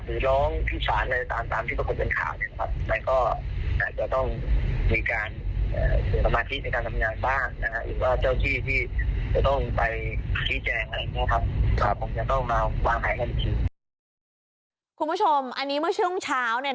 ผมอยากต้องมาวางหายให้ดีทีคุณผู้ชมอันนี้เมื่อช่วงเช้าเนี่ย